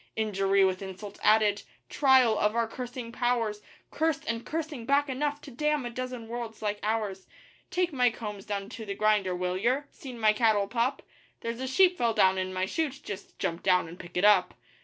Injury with insult added trial of our cursing powers Cursed and cursing back enough to damn a dozen worlds like ours. 'Take my combs down to the grinder, will yer?' 'Seen my cattle pup?' 'There's a sheep fell down in my shoot just jump down and pick it up.